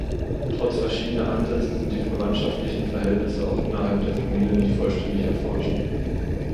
Trotz verschiedener Ansätze sind die verwandtschaftlichen Verhältnisse auch innerhalb der Familie nicht vollständig erforscht.